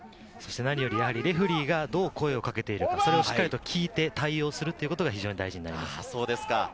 レフェリーがどう声をかけているか、それをしっかり聞いて対応することが大事になります。